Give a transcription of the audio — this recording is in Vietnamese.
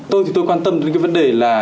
tôi thì tôi quan tâm đến cái vấn đề là